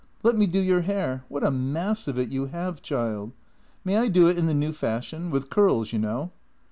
Let me do your hair. What a mass of it you have, child. May I do it in the new fashion? — with curls, you know."